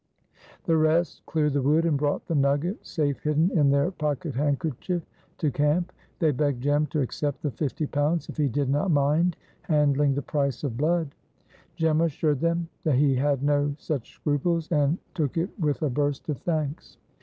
The rest cleared the wood, and brought the nugget, safe hidden in their pocket handkerchief, to camp. They begged Jem to accept the fifty pounds, if he did not mind handling the price of blood. Jem assured them he had no such scruples, and took it with a burst of thanks.